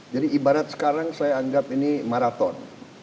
jadi ibarat sekarang saya anggap ini maraton